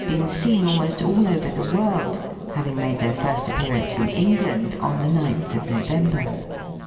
13 been seen almost all over the world, having made their first appearance in England on the 9th of November.